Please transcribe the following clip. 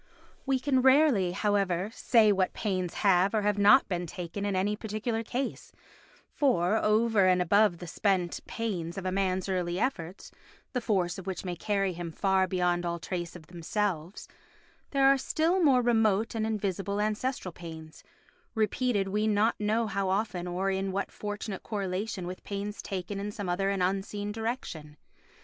We can rarely, however, say what pains have or have not been taken in any particular case, for, over and above the spent pains of a man's early efforts, the force of which may carry him far beyond all trace of themselves, there are the still more remote and invisible ancestral pains, repeated we know not how often or in what fortunate correlation with pains taken in some other and unseen direction.